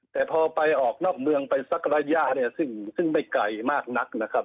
แต่พอไปออกนอกเมืองไปสักระยะเนี่ยซึ่งไม่ไกลมากนักนะครับ